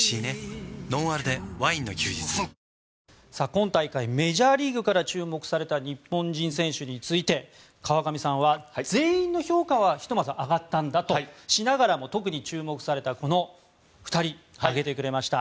今大会メジャーリーグから注目された日本人選手について川上さんは全員の評価はひとまず上がったんだとしながらも特に注目されたこの２人を挙げてくれました。